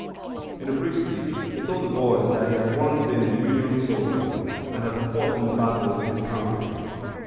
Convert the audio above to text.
In a brief speech he told the boys that he had once been a Union soldier, and had fought in the battles of his country.